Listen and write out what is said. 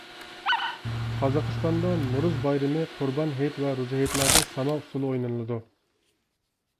قازاقىستاندا نورۇز بايرىمى، قۇربان ھېيت ۋە روزى ھېيتلاردا ساما ئۇسسۇلى ئوينىلىدۇ.